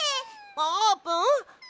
あーぷん？